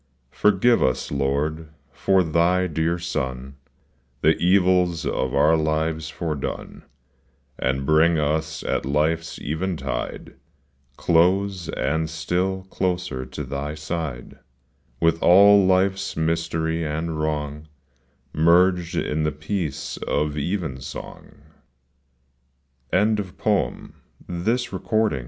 Forgive us, Lord, for Thy dear Son The evils of our lives foredone, And bring us at life's eventide Close, and still closer to Thy side, With all life's mystery and wrong Merged in the peace of even song.